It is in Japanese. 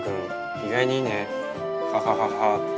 意外にいいね。ハハハハ」って。